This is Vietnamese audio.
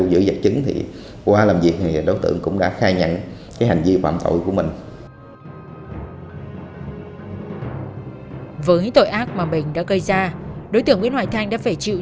đối tượng nguyễn hoài thanh đã phải chịu